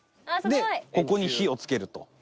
でここに火をつけると。